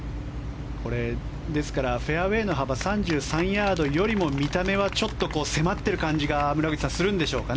フェアウェーの幅３３ヤードよりも見た目はちょっと迫ってる感じが村口さん、するんでしょうか